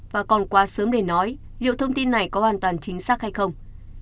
và còn quá sớm để nói liệu thông tin này có hoàn toàn chính xác hay không